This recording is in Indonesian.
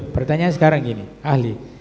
pertanyaan sekarang ini ahli